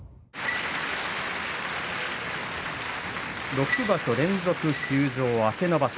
６場所連続休場明けの場所。